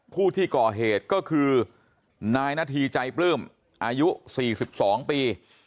ผู้ที่ก่อเหตุก็คือนายนาธีใจปลื้มอายุ๔๒ปี